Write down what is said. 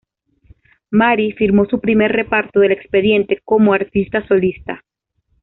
Marie firmó su primer reparto del expediente como artista solista.